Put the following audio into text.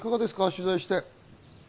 取材して。